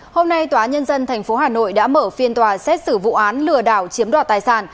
hôm nay tòa nhân dân tp hà nội đã mở phiên tòa xét xử vụ án lừa đảo chiếm đoạt tài sản